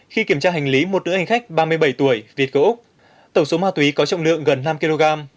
khi kiểm tra hành lý một nữ hành khách ba mươi bảy tuổi việt kiều úc tổng số ma túy có trọng lượng gần năm kg